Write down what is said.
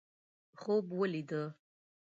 خوب ولیدي.